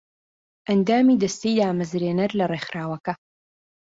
ئەندامی دەستەی دامەزرێنەر لە ڕێکخراوەکە